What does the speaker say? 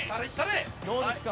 どうですか？